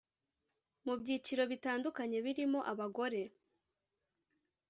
mu byiciro bitandukanye birimo abagore